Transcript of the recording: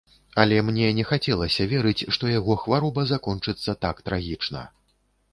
Але мне не хацелася верыць, што яго хвароба закончыцца так трагічна.